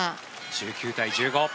１９対１５。